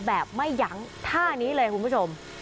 แบบไม่ยั้งท่านี้เลยคุณผู้ชม